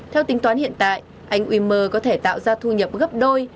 theo tính toán hiện tại anh wimmer có thể tạo ra thu nhập gấp đôi